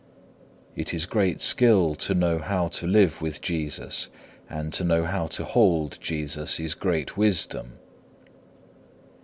3. It is great skill to know how to live with Jesus, and to know how to hold Jesus is great wisdom.